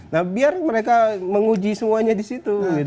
nah biar mereka menguji semuanya di situ